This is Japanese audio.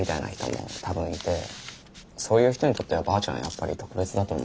そういう人にとってはばあちゃんはやっぱり特別だと思うから。